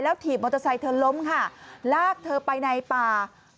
ถีบมอเตอร์ไซค์เธอล้มค่ะลากเธอไปในป่า